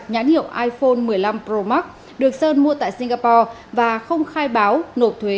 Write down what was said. nhãn hiệu iphone một mươi năm pro max được sơn mua tại singapore và không khai báo nộp thuế